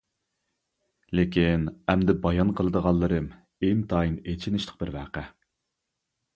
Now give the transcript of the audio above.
لېكىن، ئەمدى بايان قىلىدىغانلىرىم ئىنتايىن ئېچىنىشلىق بىر ۋەقە.